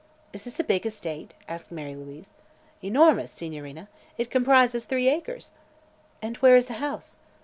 "Is this a big estate?" asked Mary Louise. "Enormous, Signorina. It comprises three acres!" "And where is the house?"